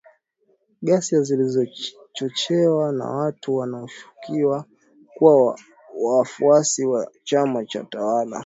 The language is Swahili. ghasia zilizochochewa na watu wanaoshukiwa kuwa wafuasi wa chama tawala